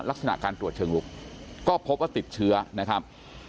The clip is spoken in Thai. ลักษณะการตรวจเชิงลุกก็พบว่าติดเชื้อนะครับ